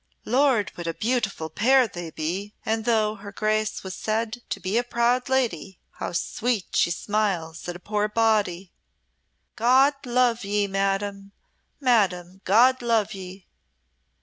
Lord, what a beautiful pair they be. And though her Grace was said to be a proud lady, how sweetly she smiles at a poor body. God love ye, madam! Madam, God love ye!"